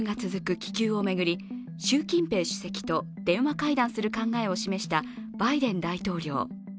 気球を巡り、習近平主席と電話会談をする考えを示したバイデン大統領。